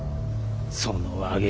そのわげ